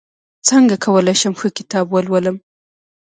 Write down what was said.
څنګه کولی شم ښه کتاب ولولم